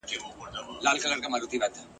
چي یې وکتل په غشي کي شهپر وو ..